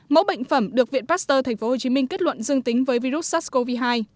mẫu bệnh phẩm được viện pasteur tp hcm kết luận dương tính với virus sars cov hai